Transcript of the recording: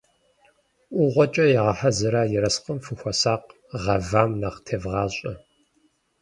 ӀугъуэкӀэ ягъэхьэзыра ерыскъым фыхуэсакъ, гъэвам нэхъ тевгъащӀэ.